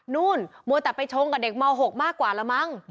นู่นมัวแต่ไปชงกับเด็กม๖มากกว่าละมั้ง